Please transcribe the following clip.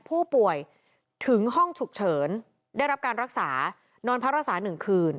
ผู้ป่วยถึงห้องฉุกเฉินได้รับการรักษานอนพักรักษา๑คืน